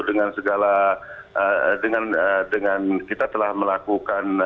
dengan segala dengan kita telah melakukan